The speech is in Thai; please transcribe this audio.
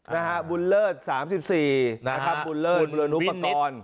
แล้วฟรุนเลิศ๓๔บูรณปกรณ์